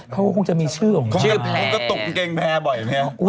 เขาก็คงจะมีชื่ออ่ะคงกระตุกเกงแพร่บ่อยมั้ยครับ